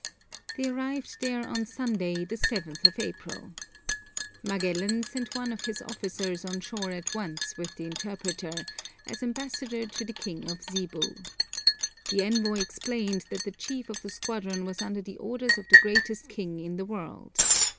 They arrived there on Sunday, the 7th of April. Magellan sent one of his officers on shore at once with the interpreter, as ambassador to the king of Zebu. The envoy explained that the chief of the squadron was under the orders of the greatest king in the world.